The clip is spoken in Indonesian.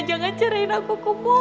jangan cairin aku